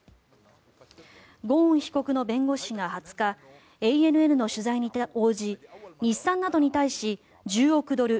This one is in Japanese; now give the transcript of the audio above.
ゴーン被告の弁護士が２０日ＡＮＮの取材に応じ日産などに対し１０億ドル